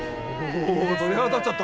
お鳥肌立っちゃった。